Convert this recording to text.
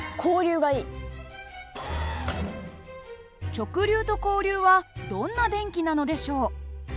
直流と交流はどんな電気なのでしょう。